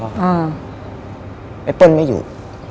ไอ้เปิ้ลไม่อยู่